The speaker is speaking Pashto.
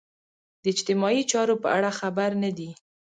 د اجتماعي چارو په اړه خبر نه دي.